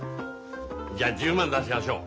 じゃあ１０万出しやしょう。